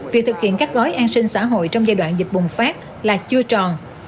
việc thực hiện các gói an sinh xã hội trong giai đoạn dịch bùng phát là chưa tròn